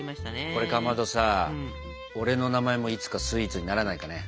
これかまどさ俺の名前もいつかスイーツにならないかね。